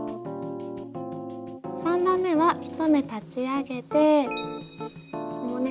３段めは１目立ち上げてこのね